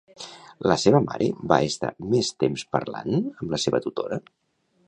La seva mare va estar més temps parlant amb la seva tutora?